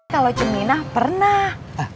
kalau ceminah pernah